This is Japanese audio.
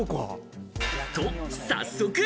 と、早速！